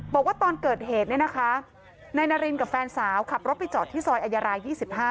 บอกว่าตอนเกิดเหตุเนี่ยนะคะนายนารินกับแฟนสาวขับรถไปจอดที่ซอยอายาราย๒๕